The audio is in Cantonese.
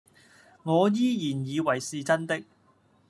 我依然以為是真的